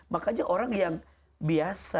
makanya orang yang biasa